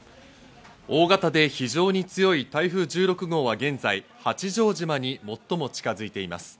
大型で非常に強い台風１６号は現在、八丈島に最も近づいています。